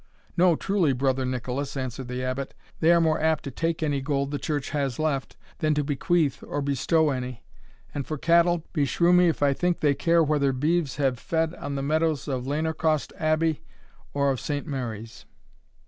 "No, truly, Brother Nicolas," answered the Abbot; "they are more apt to take any gold the Church has left, than to bequeath or bestow any and for cattle, beshrew me if I think they care whether beeves have fed on the meadows of Lanercost Abbey or of Saint Mary's!"